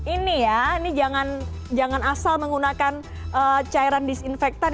ini ya ini jangan asal menggunakan cairan disinfektan